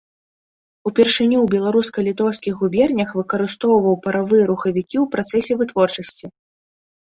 Упершыню ў беларуска-літоўскіх губернях выкарыстоўваў паравыя рухавікі ў працэсе вытворчасці.